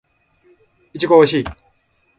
いちごおいしい